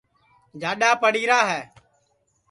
جاڈؔا پڑی را ہے